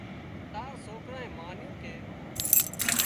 تار سوڪرانئي مانيُون ڪي